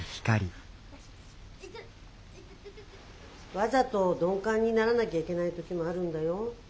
わざと鈍感にならなきゃいけない時もあるんだよ。